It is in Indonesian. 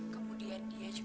kemudian dia juga menangis